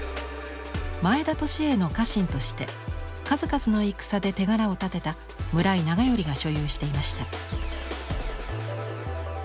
前田利家の家臣として数々の戦で手柄を立てた村井長頼が所有していました。